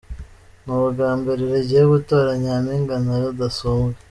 Ni ubwa mbere rigiye kutora Nyampinga na Rudasumbwa.